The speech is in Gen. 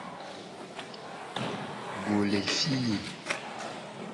Go le fi ye.